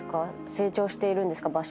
成長しているんですか？